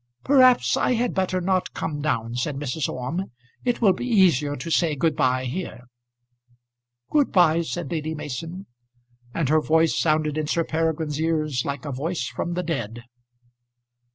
"Perhaps I had better not come down," said Mrs. Orme. "It will be easier to say good bye here." "Good bye," said Lady Mason, and her voice sounded in Sir Peregrine's ears like a voice from the dead.